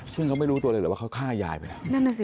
ซึ่งเขาไม่รู้ตัวเองว่าเขาฆ่ายายไปนะ